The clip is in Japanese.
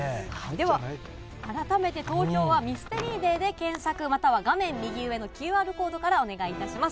では改めて投票はＭＹＳＴＥＲＹＤＡＹで検索、または画面右上のＱＲコードからお願いいたします。